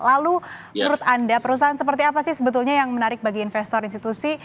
lalu menurut anda perusahaan seperti apa sih sebetulnya yang menarik bagi investor institusi